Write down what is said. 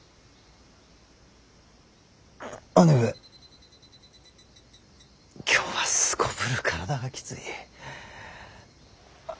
姉上今日はすこぶる体がきつい。